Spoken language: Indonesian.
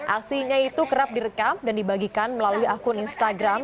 aksinya itu kerap direkam dan dibagikan melalui akun instagram